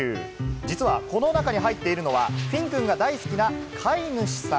実はこの中に入っているのはフィンくんが大好きな飼い主さん。